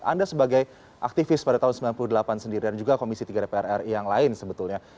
anda sebagai aktivis pada tahun seribu sembilan ratus sembilan puluh delapan sendiri dan juga komisi tiga dpr ri yang lain sebetulnya